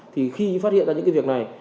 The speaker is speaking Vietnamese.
thì khi phát hiện ra những cái việc này